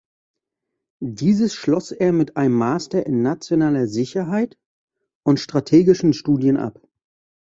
Dieses schloss er mit einem Master in nationaler Sicherheit und strategischen Studien ab.